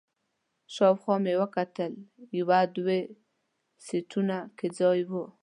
شاوخوا مې وکتل، یو دوه سیټونو کې ځای و.